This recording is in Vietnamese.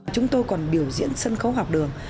chúng tôi còn biểu diễn sân khấu học đường